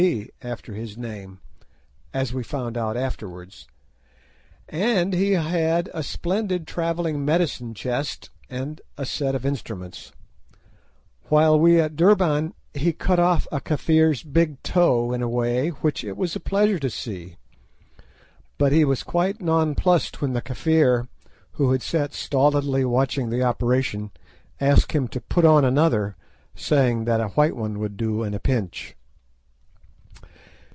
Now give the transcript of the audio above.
D. after his name, as we found out afterwards, and he had a splendid travelling medicine chest and a set of instruments. Whilst we were at Durban he cut off a Kafir's big toe in a way which it was a pleasure to see. But he was quite nonplussed when the Kafir, who had sat stolidly watching the operation, asked him to put on another, saying that a "white one" would do at a pinch.